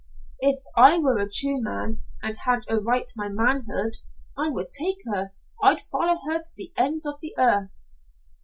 "If I were a true man, and had a right to my manhood, I would take her. I'd follow her to the ends of the earth."